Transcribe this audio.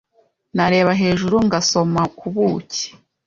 nareba hejuru ngasoma, kubuki